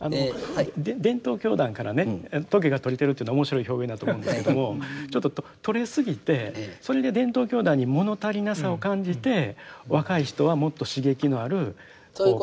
伝統教団からね棘が取れてるというのは面白い表現だと思うんですけどもちょっと取れすぎてそれで伝統教団に物足りなさを感じて若い人はもっと刺激のあるカルトに。